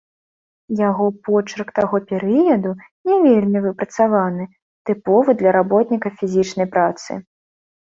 Яго почырк таго перыяду не вельмі выпрацаваны, тыповы для работніка фізічнай працы.